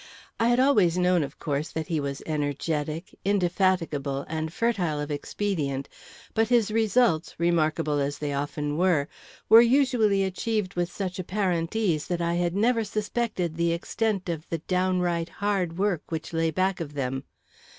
I had always known, of course, that he was energetic, indefatigable, and fertile of expedient, but his results, remarkable as they often were, were usually achieved with such apparent ease that I had never suspected the extent of the downright hard work which lay back of them.